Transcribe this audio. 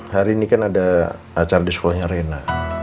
hari ini kan ada acara di sekolahnya arena